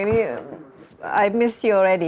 saya sudah rindukan anda